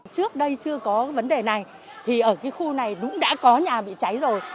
trước đây chưa có vấn đề này thì ở cái khu này cũng đã có nhà bị cháy rồi